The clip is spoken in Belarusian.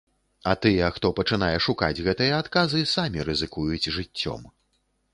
А тыя, хто пачынае шукаць гэтыя адказы, самі рызыкуюць жыццём.